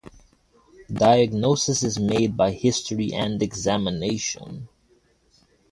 Diagnosis is made by history and examination.